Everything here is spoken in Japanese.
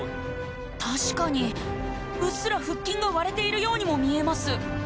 確かにうっすら腹筋が割れているようにも見えます